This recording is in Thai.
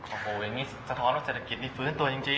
โอ้โหอย่างนี้สะท้อนว่าเศรษฐกิจนี่ฟื้นตัวจริง